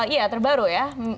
iya terbaru ya